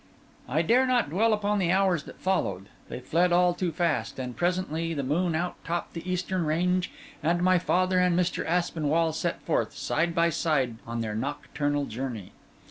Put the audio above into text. I dare not dwell upon the hours that followed: they fled all too fast; and presently the moon out topped the eastern range, and my father and Mr. Aspinwall set forth, side by side, on their nocturnal journey.